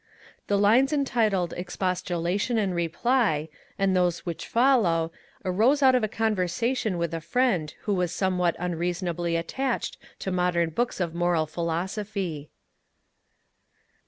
The lines entitled Expostulation and Reply, and those which follow, arose out of conversation with a friend who was somewhat unreasonably attached to modern books of moral philosophy.